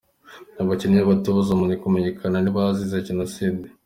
Abakinnyi n’abatoza bamaze kumenyekana ni bazize Jenoside:.